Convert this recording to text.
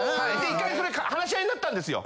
一回話し合いになったんですよ。